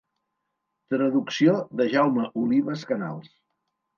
Traducció de Jaume Olives Canals.